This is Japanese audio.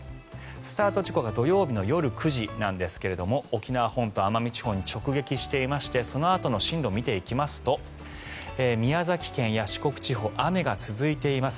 スタート時刻は土曜日の夜９時なんですが沖縄本島、奄美地方に直撃していましてそのあとの進路を見ていきますと宮崎県や四国地方雨が続いています。